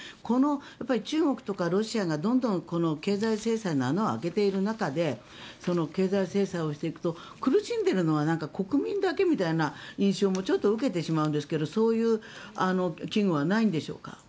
この中国とかロシアがどんどん経済制裁の穴を開けている中で経済制裁をしていくと苦しんでいるのは国民だけみたいな印象もちょっと受けてしまうんですがそういう危惧はないんでしょうか。